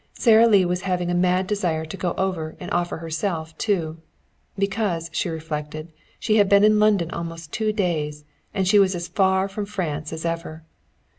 Sara Lee was having a mad desire to go over and offer herself too. Because, she reflected, she had been in London almost two days, and she was as far from France as ever.